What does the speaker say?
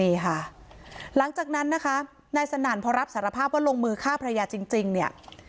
นี่ค่ะหลังจากนั้นนะคะนายสนั่นพอรับสารภาพว่าลงมือฆ่าภรรยาจริงเนี่ย